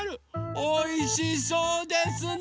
おいしそうですね。